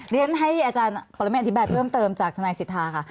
ด้วยนั้นให้อาจารย์ปรมแมนอธิบายเพิ่มเติมจากนายศิษฐาค่ะ